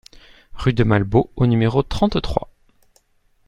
Rue de Malbos au numéro trente-trois